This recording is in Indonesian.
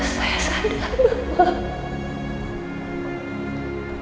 saya sadar pak